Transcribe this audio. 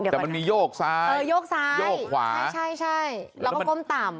แต่มันมีโยกซ้ายโยกขวาเออโยกซ้ายใช่แล้วก็ก้มต่ำ